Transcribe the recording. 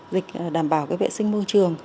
dịch đảm bảo vệ sinh môi trường